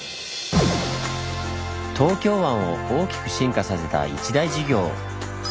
東京湾を大きく進化させた一大事業。